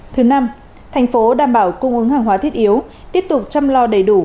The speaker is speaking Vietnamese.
thứ năm thành phố đảm bảo cung ứng hàng hóa thiết yếu tiếp tục chăm lo đầy đủ